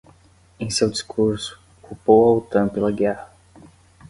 Em seu discurso, culpou a Otan pela guerra